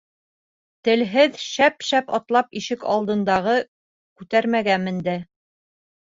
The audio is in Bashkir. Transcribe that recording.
Телһеҙ шәп-шәп атлап ишек алдындағы күтәрмәгә менде.